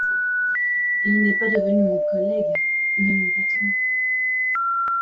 Il n’est pas devenu mon collègue, mais mon patron.